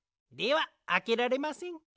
ではあけられません。